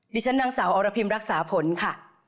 ฉันนางสาวอรพิมรักษาผลค่ะ